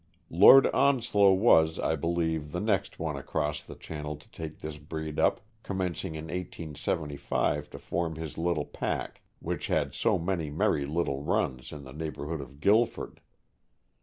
Lord Onslow was, I believe, the next one across the channel to take this breed up, commencing in 1875 to form his little pack, which had so many merry little runs in the neighborhood of Guilford.